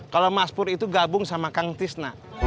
kalau mas pur itu gabung sama kang tisna